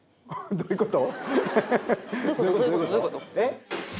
どういうこと？